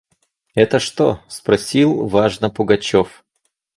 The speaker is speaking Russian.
«Это что?» – спросил важно Пугачев.